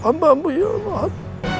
ampunilah ya allah